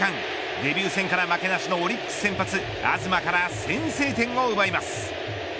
デビュー戦から負けなしのオリックス先発、東から先制点を奪います。